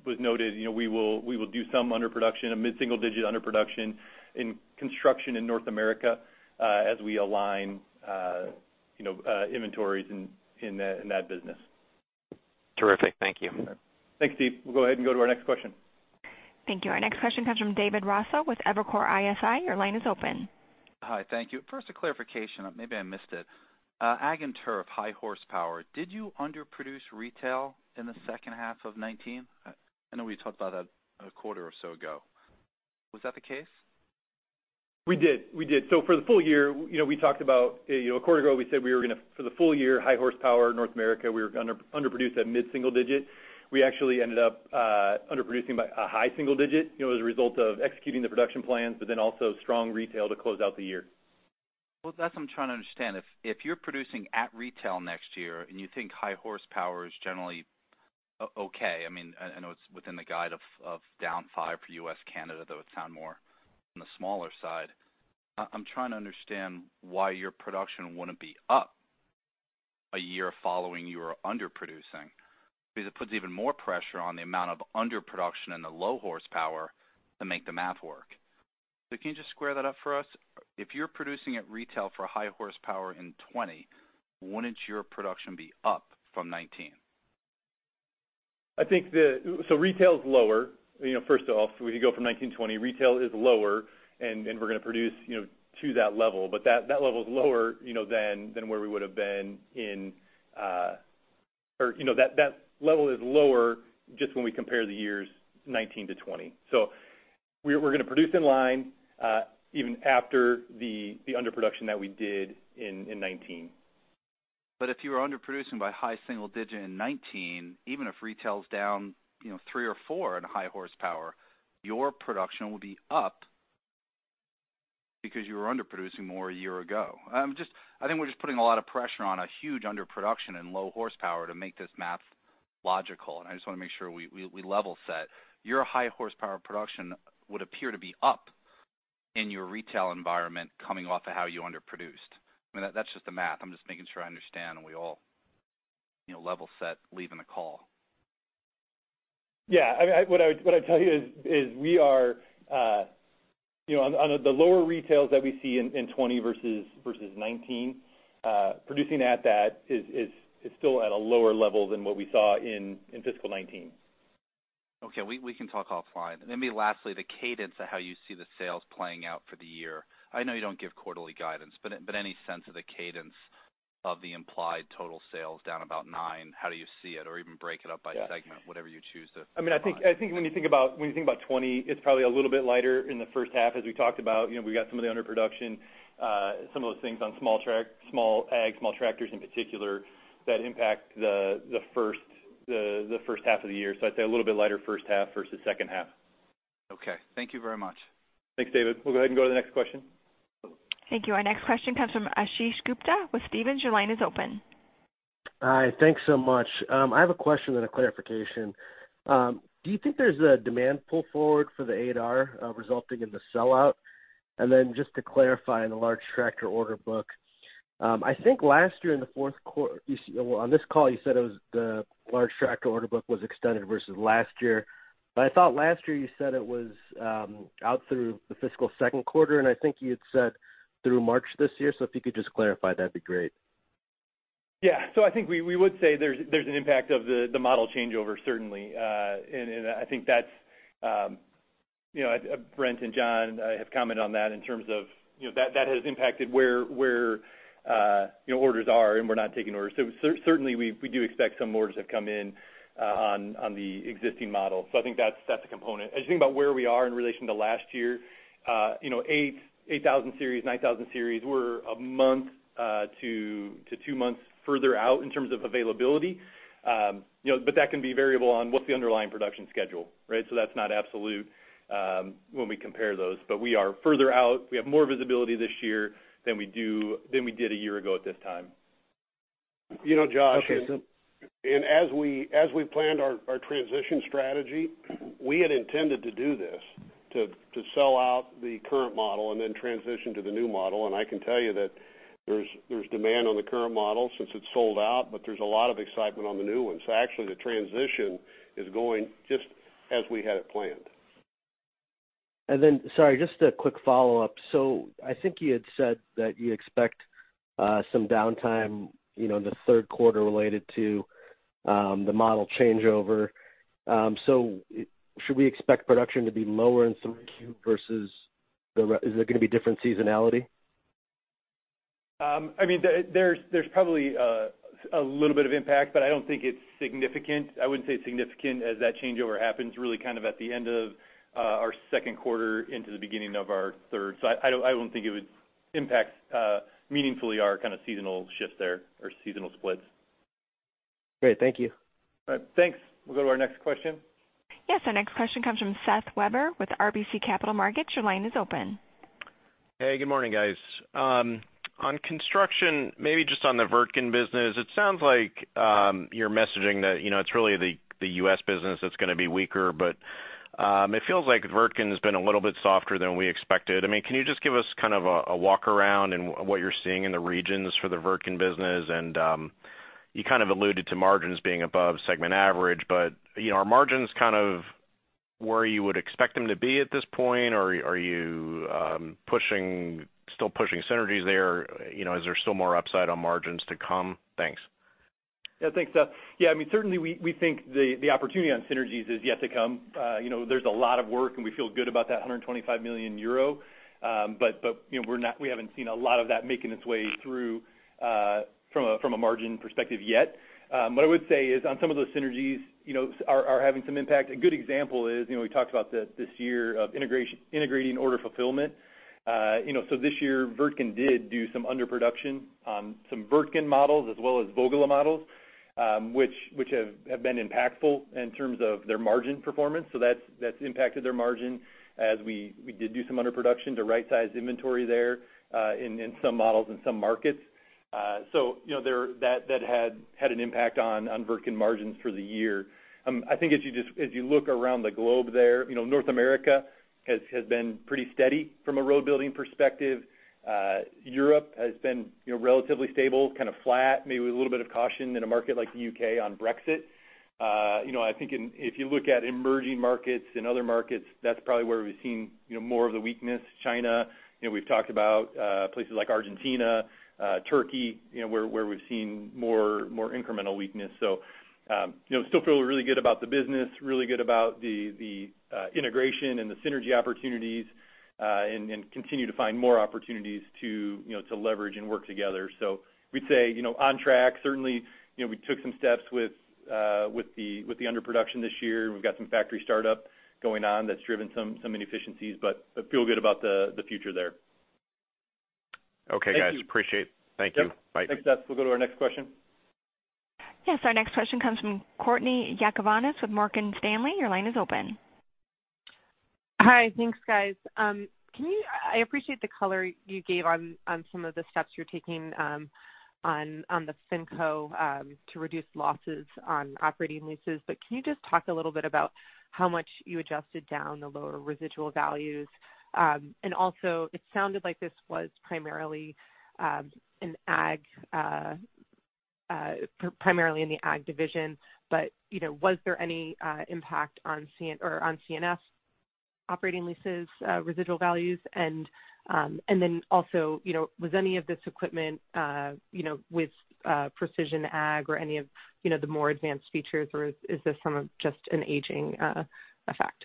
was noted, we will do some underproduction, a mid-single digit underproduction in construction in North America as we align inventories in that business.
Terrific. Thank you.
Thanks, Steve. We'll go ahead and go to our next question.
Thank you. Our next question comes from David Raso with Evercore ISI. Your line is open.
Hi. Thank you. First, a clarification, maybe I missed it. Ag and turf, high horsepower. Did you underproduce retail in the second half of 2019? I know we talked about that a quarter or so ago. Was that the case?
We did. For the full year, we talked about a quarter ago, we said for the full year, high horsepower North America, we were going to underproduce at mid-single digit. We actually ended up underproducing by a high single digit as a result of executing the production plans, also strong retail to close out the year.
That's what I'm trying to understand. If you're producing at retail next year and you think high horsepower is generally okay, I know it's within the guide of down five for U.S., Canada, though it would sound more on the smaller side. I'm trying to understand why your production wouldn't be up a year following your underproducing. It puts even more pressure on the amount of underproduction and the low horsepower to make the math work. Can you just square that up for us? If you're producing at retail for high horsepower in 2020, wouldn't your production be up from 2019?
Retail is lower. First off, we can go from 2019 to 2020. Retail is lower and we're going to produce to that level. That level is lower than where we would've been or that level is lower just when we compare the years 2019 to 2020. We're going to produce in line even after the underproduction that we did in 2019.
If you were underproducing by high single-digit in 2019, even if retail's down 3 or 4 in high horsepower, your production will be up because you were underproducing more a year ago. I think we're just putting a lot of pressure on a huge underproduction and low horsepower to make this math logical, and I just want to make sure we level set. Your high horsepower production would appear to be up in your retail environment coming off of how you underproduced. That's just the math. I'm just making sure I understand and we all level set leaving the call.
Yeah. What I'd tell you is we are on the lower retails that we see in 2020 versus 2019. Producing at that is still at a lower level than what we saw in fiscal 2019.
Okay. We can talk offline. Maybe lastly, the cadence of how you see the sales playing out for the year. I know you don't give quarterly guidance, but any sense of the cadence of the implied total sales down about nine? How do you see it? Even break it up by segment. Whatever you choose to provide.
When you think about 2020, it's probably a little bit lighter in the first half. As we talked about, we've got some of the underproduction, some of those things on small ag, small tractors in particular, that impact the first half of the year. I'd say a little bit lighter first half versus second half.
Okay. Thank you very much.
Thanks, David. We'll go ahead and go to the next question.
Thank you. Our next question comes from Ashish Gupta with Stephens. Your line is open.
Hi. Thanks so much. I have a question then a clarification. Do you think there's a demand pull forward for the 8R resulting in the sell-out? Just to clarify on the large tractor order book. I think last year on this call, you said the large tractor order book was extended versus last year. I thought last year you said it was out through the fiscal second quarter, and I think you had said through March this year. If you could just clarify, that'd be great.
Yeah. I think we would say there's an impact of the model changeover, certainly. I think Brent and John have commented on that in terms of that has impacted where orders are and we're not taking orders. Certainly, we do expect some orders have come in on the existing model. I think that's a component. As you think about where we are in relation to last year, 8000 Series, 9000 Series, we're 1-2 months further out in terms of availability. That can be variable on what's the underlying production schedule, right? That's not absolute when we compare those. We are further out. We have more visibility this year than we did a year ago at this time.
Okay.
As we planned our transition strategy, we had intended to do this, to sell out the current model and then transition to the new model. I can tell you that there's demand on the current model since it's sold out, but there's a lot of excitement on the new one. Actually, the transition is going just as we had it planned.
Sorry, just a quick follow-up. I think you had said that you expect some downtime in the third quarter related to the model changeover. Should we expect production to be lower in some Q versus the rest? Is there going to be different seasonality?
There's probably a little bit of impact. I don't think it's significant. I wouldn't say significant as that changeover happens really kind of at the end of our second quarter into the beginning of our third. I wouldn't think it would impact meaningfully our kind of seasonal shifts there or seasonal splits.
Great. Thank you.
All right. Thanks. We'll go to our next question.
Yes, our next question comes from Seth Weber with RBC Capital Markets. Your line is open.
Hey, good morning, guys. On Construction, maybe just on the Wirtgen business, it sounds like you're messaging that it's really the U.S. business that's going to be weaker. It feels like Wirtgen's been a little bit softer than we expected. Can you just give us kind of a walk around in what you're seeing in the regions for the Wirtgen business? You kind of alluded to margins being above segment average, but are margins where you would expect them to be at this point? Are you still pushing synergies there? Is there still more upside on margins to come? Thanks.
Thanks, Seth. Certainly, we think the opportunity on synergies is yet to come. There's a lot of work, and we feel good about that 125 million euro. We haven't seen a lot of that making its way through from a margin perspective yet. What I would say is, on some of those synergies are having some impact. A good example is, we talked about this year of integrating order fulfillment. This year, Wirtgen did do some underproduction on some Wirtgen models as well as Vögele models which have been impactful in terms of their margin performance. That's impacted their margin as we did do some underproduction to right-size inventory there in some models in some markets. That had an impact on Wirtgen margins for the year. I think as you look around the globe there, North America has been pretty steady from a road building perspective. Europe has been relatively stable, kind of flat, maybe with a little bit of caution in a market like the U.K. on Brexit. I think if you look at emerging markets and other markets, that's probably where we've seen more of the weakness. China, we've talked about places like Argentina, Turkey where we've seen more incremental weakness. Still feel really good about the business, really good about the integration and the synergy opportunities, and continue to find more opportunities to leverage and work together. We'd say on track. Certainly, we took some steps with the underproduction this year. We've got some factory startup going on that's driven some inefficiencies, but I feel good about the future there.
Okay, guys.
Thank you.
Appreciate it. Thank you. Bye.
Yep. Thanks, Seth. We'll go to our next question.
Yes, our next question comes from Courtney Yakavonis with Morgan Stanley. Your line is open.
Hi. Thanks, guys. I appreciate the color you gave on some of the steps you're taking on the FinCo to reduce losses on operating leases. Can you just talk a little bit about how much you adjusted down the lower residual values? Also, it sounded like this was primarily in the ag division, but was there any impact on C&F operating leases residual values? Also, was any of this equipment with precision ag or any of the more advanced features or is this from just an aging effect?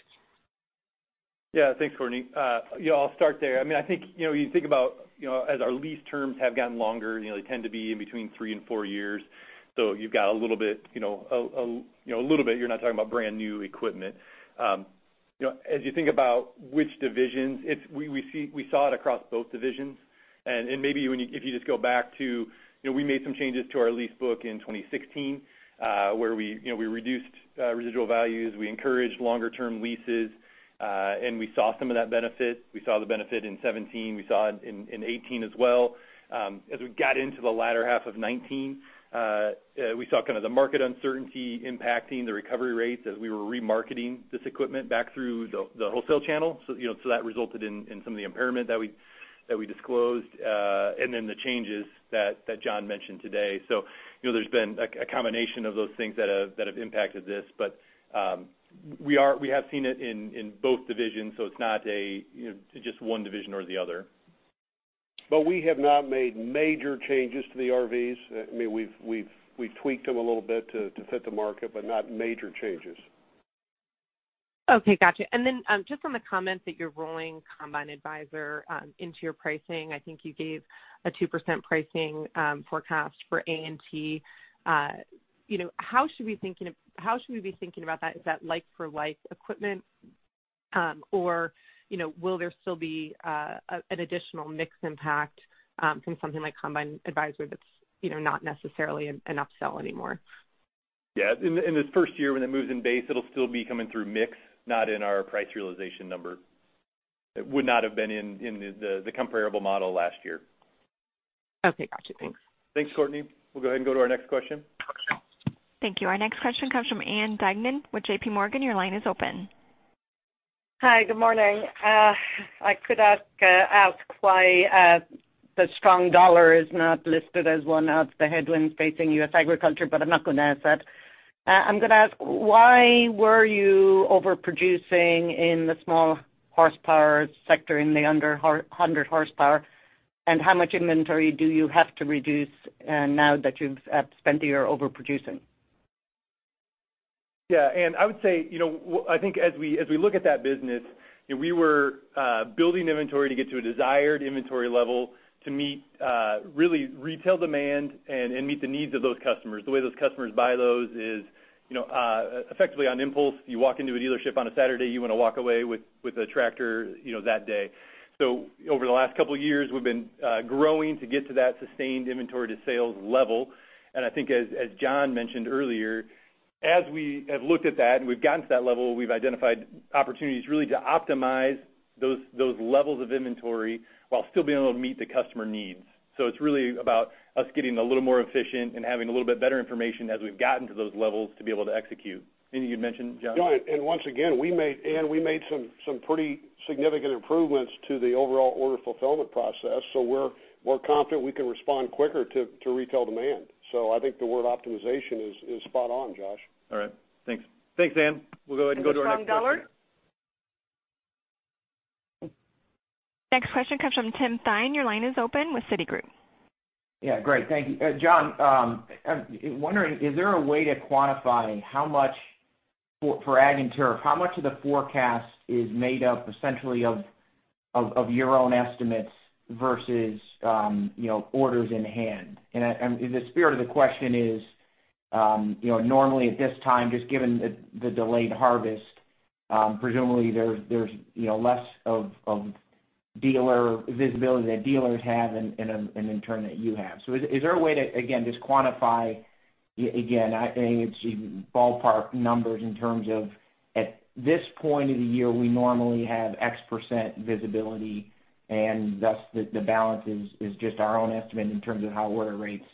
Yeah. Thanks, Courtney. Yeah, I'll start there. I think you think about as our lease terms have gotten longer, they tend to be in between three and four years. You've got a little bit, you're not talking about brand-new equipment. As you think about which divisions, we saw it across both divisions, maybe if you just go back to when we made some changes to our lease book in 2016 where we reduced residual values, we encouraged longer-term leases. We saw some of that benefit. We saw the benefit in 2017. We saw it in 2018 as well. As we got into the latter half of 2019, we saw kind of the market uncertainty impacting the recovery rates as we were remarketing this equipment back through the wholesale channel. That resulted in some of the impairment that we disclosed, and then the changes that John mentioned today. There's been a combination of those things that have impacted this. We have seen it in both divisions, so it's not just one division or the other.
We have not made major changes to the RVs. We've tweaked them a little bit to fit the market, but not major changes.
Okay, got you. Just on the comment that you're rolling Combine Advisor into your pricing. I think you gave a 2% pricing forecast for A&T. How should we be thinking about that? Is that like for like equipment? Will there still be an additional mix impact from something like Combine Advisor that's not necessarily an upsell anymore?
Yeah. In this first year when it moves in base, it'll still be coming through mix, not in our price realization number. It would not have been in the comparable model last year.
Okay, got you. Thanks.
Thanks, Courtney. We'll go ahead and go to our next question.
Thank you. Our next question comes from Ann Duignan with J.P. Morgan. Your line is open.
Hi. Good morning. I could ask why the strong dollar is not listed as one of the headwinds facing U.S. agriculture, but I'm not going to ask that. I'm going to ask why were you overproducing in the small horsepower sector in the under 100 horsepower? How much inventory do you have to reduce now that you've spent a year overproducing?
Yeah. Ann, I would say, I think as we look at that business, we were building inventory to get to a desired inventory level to meet really retail demand and meet the needs of those customers. The way those customers buy those is effectively on impulse. You walk into a dealership on a Saturday, you want to walk away with a tractor that day. Over the last couple of years, we've been growing to get to that sustained inventory-to-sales level. I think as John mentioned earlier, as we have looked at that and we've gotten to that level, we've identified opportunities really to optimize those levels of inventory while still being able to meet the customer needs. It's really about us getting a little more efficient and having a little bit better information as we've gotten to those levels to be able to execute. Anything you'd mention, John?
No. Once again, Ann, we made some pretty significant improvements to the overall order fulfillment process. We're confident we can respond quicker to retail demand. I think the word optimization is spot on, Josh.
All right. Thanks. Thanks, Ann. We'll go ahead and go to our next question.
Next question comes from Tim Thein. Your line is open with Citigroup.
Yeah, great. Thank you. John, I'm wondering, is there a way to quantify, for Ag and Turf, how much of the forecast is made up essentially of your own estimates versus orders in hand? The spirit of the question is, normally at this time, just given the delayed harvest, presumably there's less of visibility that dealers have and in turn that you have. Is there a way to, again, just quantify, again, it's ballpark numbers in terms of, at this point in the year, we normally have X% visibility, and thus, the balance is just our own estimate in terms of how order rates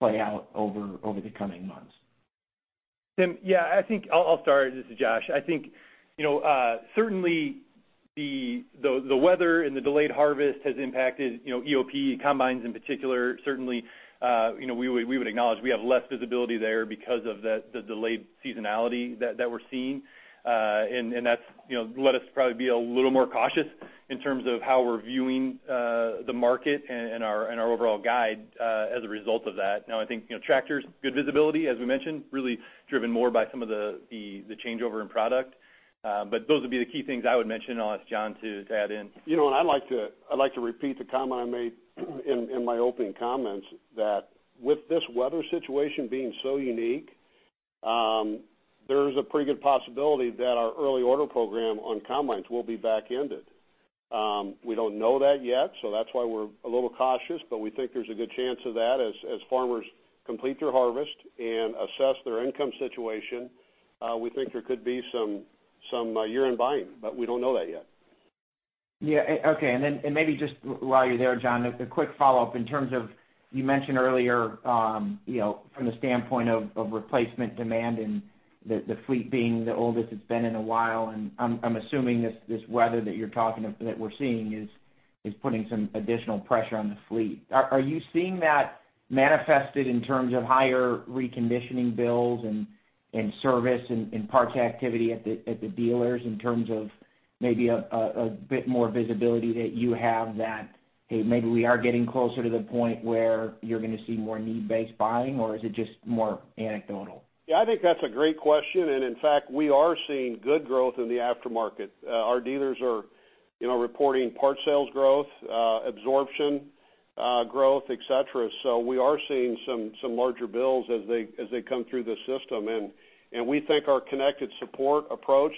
play out over the coming months.
Tim, yeah, I think I'll start. This is Josh. I think, certainly the weather and the delayed harvest has impacted EOP combines in particular. Certainly, we would acknowledge we have less visibility there because of the delayed seasonality that we're seeing. That's led us to probably be a little more cautious in terms of how we're viewing the market and our overall guide as a result of that. Now, I think tractors, good visibility, as we mentioned, really driven more by some of the changeover in product. Those would be the key things I would mention, and I'll ask John to add in.
I'd like to repeat the comment I made in my opening comments that with this weather situation being so unique, there's a pretty good possibility that our early order program on combines will be backended. We don't know that yet, so that's why we're a little cautious, but we think there's a good chance of that. As farmers complete their harvest and assess their income situation, we think there could be some year-end buying, but we don't know that yet.
Yeah. Okay. Maybe just while you're there, John, a quick follow-up in terms of, you mentioned earlier from the standpoint of replacement demand and the fleet being the oldest it's been in a while. I'm assuming this weather that you're talking, that we're seeing is putting some additional pressure on the fleet. Are you seeing that manifested in terms of higher reconditioning bills and service and parts activity at the dealers in terms of maybe a bit more visibility that you have that, hey, maybe we are getting closer to the point where you're going to see more need-based buying, or is it just more anecdotal?
Yeah, I think that's a great question. In fact, we are seeing good growth in the aftermarket. Our dealers are reporting part sales growth, absorption growth, et cetera. We are seeing some larger bills as they come through the system. We think our Connected Support approach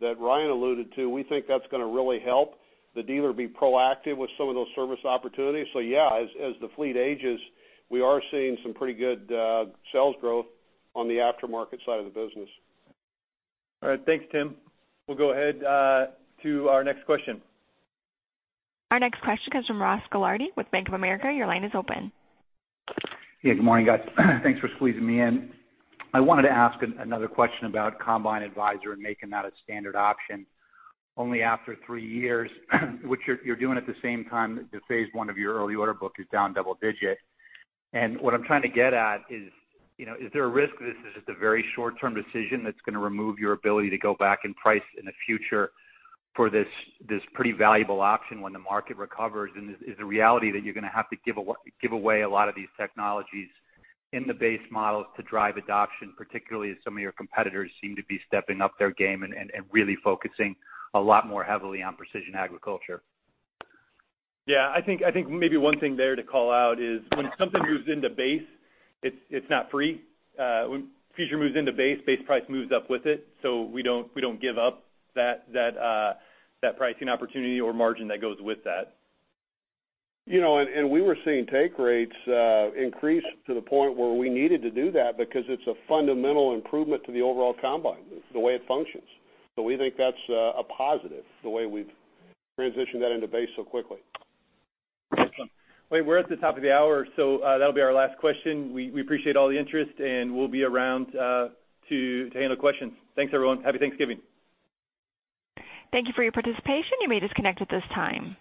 that Ryan alluded to, we think that's going to really help the dealer be proactive with some of those service opportunities. Yeah, as the fleet ages, we are seeing some pretty good sales growth on the aftermarket side of the business.
All right. Thanks, Tim. We'll go ahead to our next question.
Our next question comes from Ross Gilardi with Bank of America. Your line is open.
Yeah, good morning, guys. Thanks for squeezing me in. I wanted to ask another question about Combine Advisor and making that a standard option only after three years which you're doing at the same time that the phase one of your early order book is down double digit. What I'm trying to get at is there a risk this is just a very short-term decision that's going to remove your ability to go back and price in the future for this pretty valuable option when the market recovers? Is the reality that you're going to have to give away a lot of these technologies in the base models to drive adoption, particularly as some of your competitors seem to be stepping up their game and really focusing a lot more heavily on precision agriculture?
Yeah, I think maybe one thing there to call out is when something moves into base, it's not free. When a feature moves into base price moves up with it. We don't give up that pricing opportunity or margin that goes with that.
We were seeing take rates increase to the point where we needed to do that because it's a fundamental improvement to the overall combine, the way it functions. We think that's a positive, the way we've transitioned that into base so quickly.
Awesome. Wait, we're at the top of the hour, that'll be our last question. We appreciate all the interest, and we'll be around to handle questions. Thanks, everyone. Happy Thanksgiving.
Thank you for your participation. You may disconnect at this time.